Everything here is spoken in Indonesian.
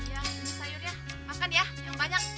iya dan sayurnya makan ya yang banyak